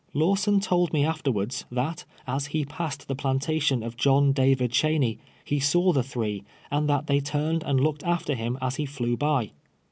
Lawsou told me afterwards, that, as he passed the jilantatimi of John David Cheney, he saw the three, and that they turned and looked after him as he flew by.